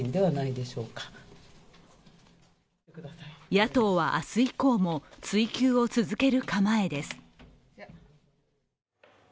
野党は、明日以降も追及を続ける構えです。